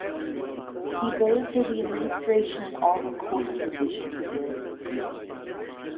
He voted for the Administration in all recorded divisions.